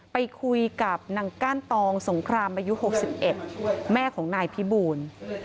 ไปคุยกับนางก้านตองสงครามอายุ๖๑แม่ของนายพิบูล